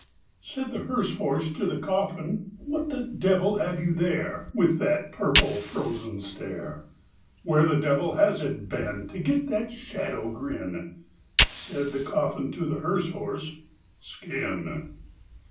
Said the hearse horse to the coffin, "What the devil have you there, With that purple frozen stare? Where the devil has it been To get that shadow grin?" Said the coffin to the hearse horse, "Skin!"